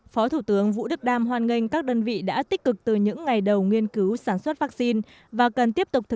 phó thủ tướng vũ đức đam hoan nghênh các đơn vị đã tích cực từ những ngày đầu nghiên cứu sản xuất vaccine